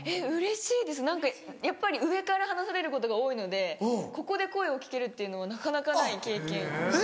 うれしいです何かやっぱり上から話されることが多いのでここで声を聞けるっていうのはなかなかない経験。